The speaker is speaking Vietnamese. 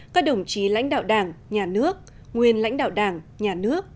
các đồng chí lãnh đạo đảng nhà nước nguyên lãnh đạo đảng nhà nước